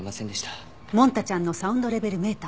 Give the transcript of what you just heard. モン太ちゃんのサウンドレベルメーターは？